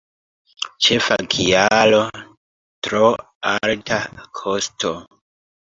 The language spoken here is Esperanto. Ĉefa kialo: tro alta kosto.